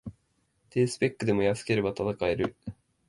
低スペックでも安ければ戦える